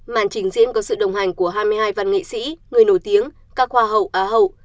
màn trình diễn có sự đồng hành của hai mươi hai văn nghệ sĩ người nổi tiếng các hoa hậu á hậu